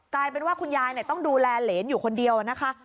กลายเป็นว่าคุณยายต้องดูแลเหรนอยู่คนเดียวนะคะ